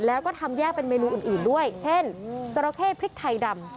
แล้วก็ทำแยกเป็นเมนูอื่นด้วยเช่นจราเข้พริกไทยดำ